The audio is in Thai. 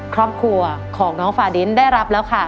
ครอบครัวของน้องฟาดินได้รับแล้วค่ะ